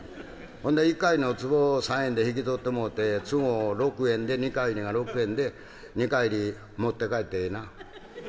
「ほんで一荷入りのつぼを３円で引き取ってもうて都合６円で二荷入りが６円で二荷入り持って帰ってええな？」。